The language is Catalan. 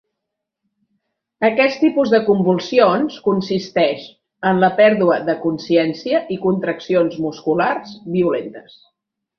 Aquest tipus de convulsions consisteix en la pèrdua de consciència i contraccions musculars violentes.